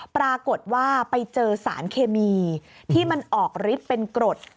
ปรากฏว่าไปเจอสารเคมีที่มันออกฤทธิ์เป็นกรด